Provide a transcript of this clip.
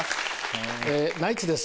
ナイツです